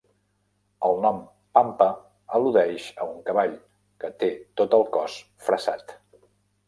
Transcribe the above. El nom Pampa al·ludeix a un cavall, que té tot el cos fressat.